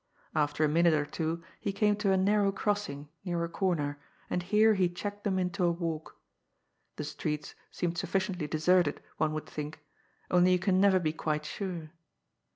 After a minute or two he came to a narrow crossing, near a comer, and here he checked them into a walk. The streets seemed suffi ciently deserted, one would think, only you can never be quite sure.